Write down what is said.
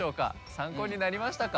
参考になりましたか？